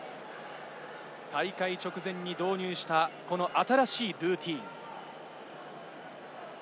大会直前に導入した新しいルーティン。